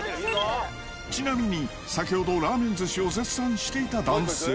ちなみに先ほどラーメン寿司を絶賛していた男性。